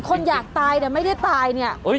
คนอยากตายเนี่ยไม่ได้ตายเนี่ย